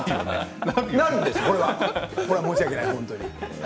これは申し訳ない本当に。